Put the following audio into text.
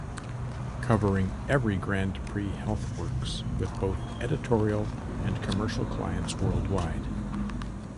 Covering every Grand Prix Heath works with both editorial and commercial clients worldwide.